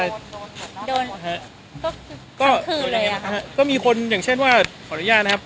โดนครั้งคืนเลยอ่ะครับก็มีคนอย่างเช่นว่าขออนุญาตนะครับ